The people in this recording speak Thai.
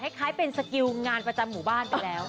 คล้ายเป็นสกิลงานประจำหมู่บ้านไปแล้ว